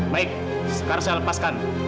baik sekarang saya lepaskan